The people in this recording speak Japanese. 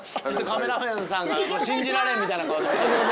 カメラマンさんが信じられんみたいな顔で見てる。